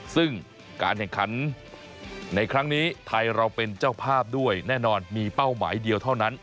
ซึ่งการแข่งขันในครั้งนี้ไทยเราเป็นเจ้าภาพด้วยแน่นอนมีเป้าหมายเดียวเท่านั้น